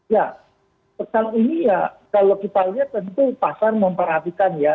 ya pekan ini ya kalau kita lihat tentu pasar memperhatikan ya